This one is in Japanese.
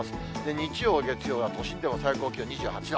日曜、月曜は都心でも最高気温２８度。